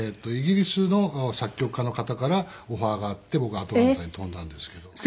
イギリスの作曲家の方からオファーがあって僕がアトランタへ飛んだんですけど。